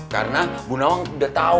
karena bu nawang udah tau